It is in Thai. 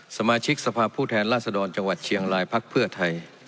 สมาชิกสภาพผู้แทนราษฎรจังหวัดเชียงรายพักเพื่อไทย